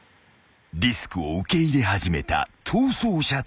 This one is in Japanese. ［リスクを受け入れ始めた逃走者たち］